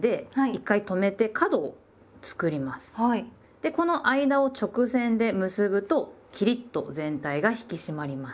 でこの間を直線で結ぶとキリッと全体が引き締まります。